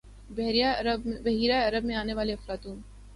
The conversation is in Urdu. بحیرہ عرب میں آنے والا ’طوفان